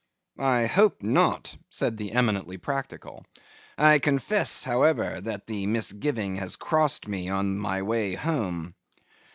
'I hope not,' said the eminently practical; 'I confess, however, that the misgiving has crossed me on my way home.